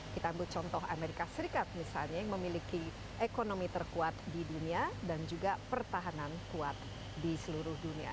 kita ambil contoh amerika serikat misalnya yang memiliki ekonomi terkuat di dunia dan juga pertahanan kuat di seluruh dunia